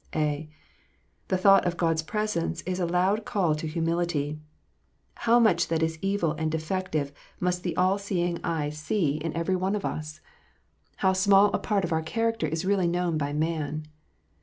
(a) The thought of God s presence is a loud call to humility. How much that is evil and defective must the All seeing eye see N 194 KNOTS UNTIED. in every one of us ! How small a part of our character is really known by man